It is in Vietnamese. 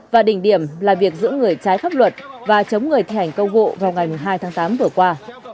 và đỉnh điểm là việc giữ người trái pháp luật và chống người thi hành công vụ vào ngày hai tháng tám vừa qua